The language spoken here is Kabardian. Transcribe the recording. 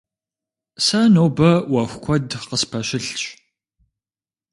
Сэ нобэ ӏуэху куэд къыспэщылъщ.